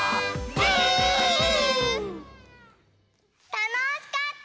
たのしかった！